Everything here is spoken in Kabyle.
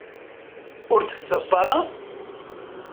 Ur d-tettaseḍ ara?